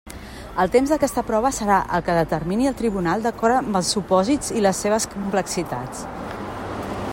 El temps d'aquesta prova serà el que determini el tribunal d'acord amb els supòsits i les seves complexitats.